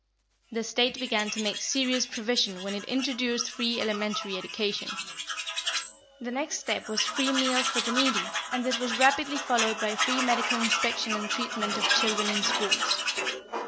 The State began to make serious provision when it introduced free elementary education. The next step was free meals for the needy, and this was rapidly followed by free medical inspection and treatment of children in schools.